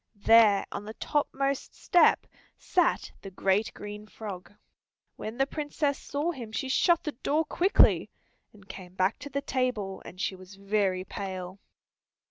There on the top most step sat the great green frog. When the Princess saw him she shut the door quickly, and came back to the table, and she was very pale.